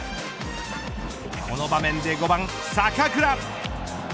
この場面で５番、坂倉。